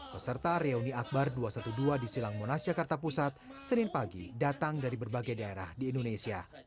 peserta reuni akbar dua ratus dua belas di silang monas jakarta pusat senin pagi datang dari berbagai daerah di indonesia